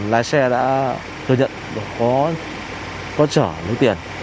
lái xe đã thừa nhận có chở lấy tiền